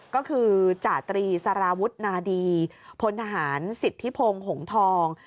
ก็คือจาตรีสารวุฒนาดีพลทหารสิทธิพงศ์หงทอง